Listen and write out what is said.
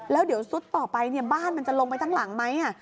แล้วเดี๋ยวซุดต่อไปบ้านมันจะลงไปทั้งหลังไหม